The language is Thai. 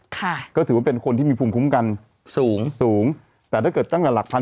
ค่ะก็ถือว่าเป็นคนที่มีภูมิคุ้มกันสูงสูงแต่ถ้าเกิดตั้งแต่หลักพัน